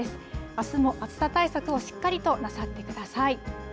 あすも暑さ対策をしっかりとなさってください。